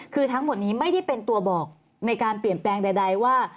คือทั้งหมดนี้ไม่ได้เป็นตัวบอกในการเปลี่ยนแปลงใดว่า